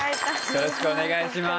よろしくお願いします。